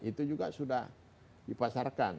itu juga sudah dipasarkan